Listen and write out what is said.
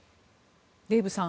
デーブさん